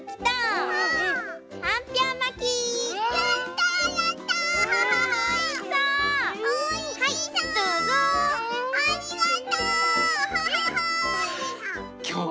ありがとう！